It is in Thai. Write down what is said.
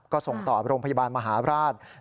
ก็ส่งต่อโรงพยาบาลมหาราช